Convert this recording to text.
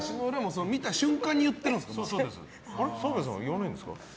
足の裏も澤部さんは言わないんですか？